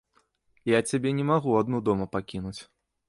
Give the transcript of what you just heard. Я цябе не магу адну дома пакінуць.